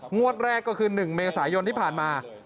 งวดแรกก็คือ๑เมษายนที่ผ่านมา